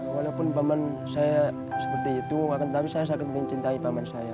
walaupun paman saya seperti itu tapi saya sangat mencintai paman saya